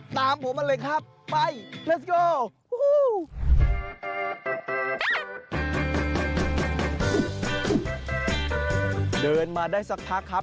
ตามผมมาเลยครับ